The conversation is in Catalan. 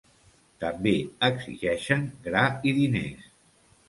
També exigeixen gra i diners.